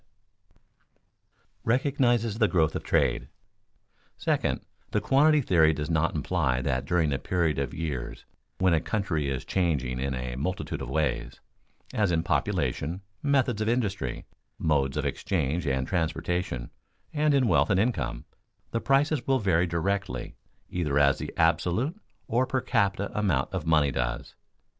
[Sidenote: Recognizes the growth of trade] Second, the quantity theory does not imply that during a period of years when a country is changing in a multitude of ways, as in population, methods of industry, modes of exchange and transportation, and in wealth and income, the prices will vary directly either as the absolute or per capita amount of money does.